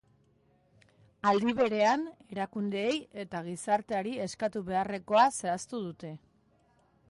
Aldi berean, erakundeei eta gizarteari eskatu beharrekoa zehaztu dute.